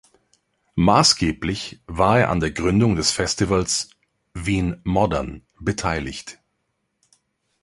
Maßgeblich war er an der Gründung des Festivals "Wien Modern" beteiligt.